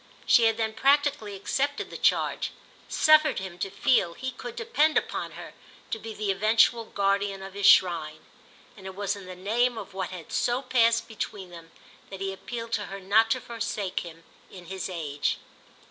She had then practically accepted the charge, suffered him to feel he could depend upon her to be the eventual guardian of his shrine; and it was in the name of what had so passed between them that he appealed to her not to forsake him in his age.